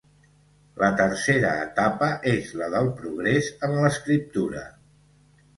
La tercera etapa és la del progrés en l’escriptura.